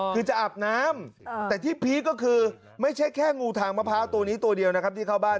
คือจะอาบน้ำแต่ที่พีคก็คือไม่ใช่แค่งูทางมะพร้าวตัวนี้ตัวเดียวนะครับที่เข้าบ้าน